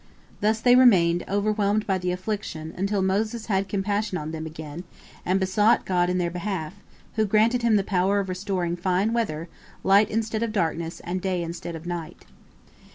Thus they remained, overwhelmed by the affliction, until Moses had compassion on them again, and besought God in their behalf, who granted him the power of restoring fine weather, light instead of darkness and day instead of night.